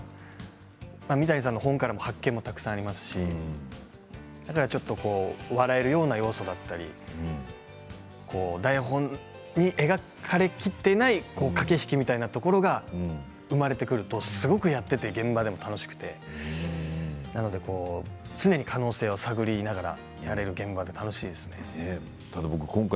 三谷さんの本からの発展もたくさんありますし笑えるような要素だったり台本に描かれきっていない駆け引きみたいなものが生まれてくるとすごくやっていて現場でも楽しく常に可能性を探りながらやれる現場で楽しいです。